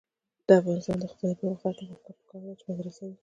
د افغانستان د اقتصادي پرمختګ لپاره پکار ده چې مدرسه وي.